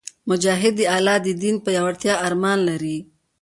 مجاهد د الله د دین د پیاوړتیا ارمان لري.